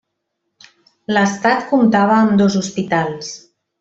L'estat comptava amb dos hospitals.